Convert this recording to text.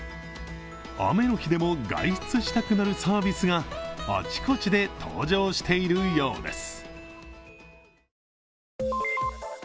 雨の日でも外出したくなるサービスがあちこちで登場しているようです。